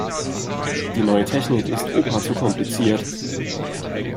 Die neue Technik ist Opa zu kompliziert.